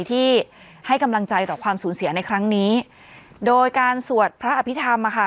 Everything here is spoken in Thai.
ที่ให้กำลังใจต่อความสูญเสียในครั้งนี้โดยการสวดพระอภิษฐรรมอ่ะค่ะ